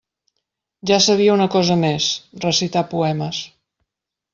Ja sabia una cosa més: recitar poemes.